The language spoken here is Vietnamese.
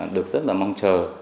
được rất là mong chờ